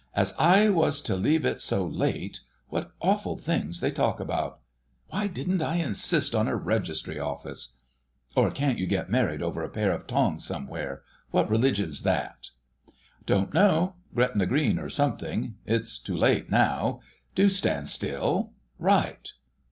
"Ass I was to leave it so late.... What awful things they talk about.... Why didn't I insist on a Registry Office? Or can't you get married over a pair of tongs somewhere—what religion's that?" "Don't know—Gretna Green, or something. It's too late now. Do stand still.... Right!